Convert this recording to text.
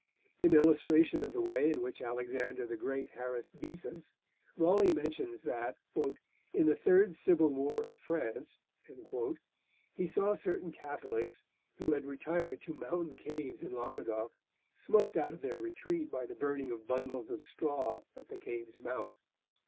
In illustration of the way in which Alexander the Great harassed Bessus, Raleigh mentions that, 'in the third civil war of France,' he saw certain Catholics, who had retired to mountain caves in Languedoc, smoked out of their retreat by the burning of bundles of straw at the cave's mouth.